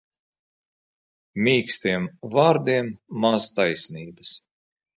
Mīkstiem vārdiem maz taisnības.